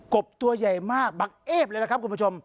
บตัวใหญ่มากบังเอ๊บเลยนะครับคุณผู้ชม